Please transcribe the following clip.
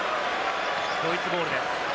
ドイツボールです。